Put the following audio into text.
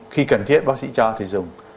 khi cần thiết bác sĩ cho thì dùng